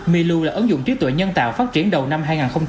milu là ứng dụng trí tuệ nhân tạo phát triển đầu năm hai nghìn hai mươi